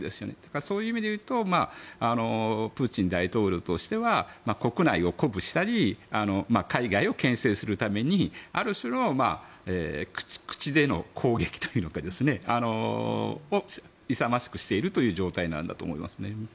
だから、そういう意味でいうとプーチン大統領としては国内を鼓舞したり海外をけん制するためにある種の口での攻撃というのかを勇ましくしているという状態なんだと思いますね。